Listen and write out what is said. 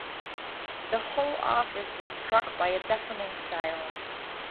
The whole office was struck by a deafening silence.